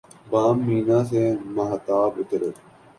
بام مینا سے ماہتاب اترے